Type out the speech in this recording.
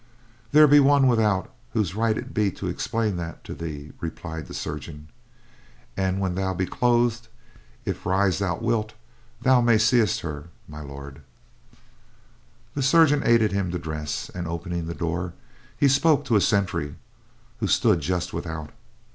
"There be one without whose right it be to explain that to thee," replied the chirurgeon, "and when thou be clothed, if rise thou wilt, thou mayst see her, My Lord." The chirurgeon aided him to dress and, opening the door, he spoke to a sentry who stood just without.